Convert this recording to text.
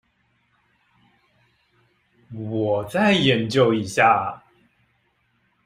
我再研究一下